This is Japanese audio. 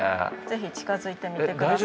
ぜひ近づいてみて下さい。